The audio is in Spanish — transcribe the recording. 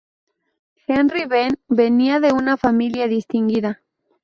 Henry Venn venía de una familia distinguida.